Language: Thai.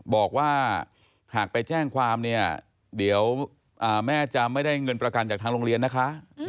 บอกว่าหากไปแจ้งความเนี่ยเดี๋ยวแม่จะไม่ได้เงินประกันจากทางโรงเรียนนะคะ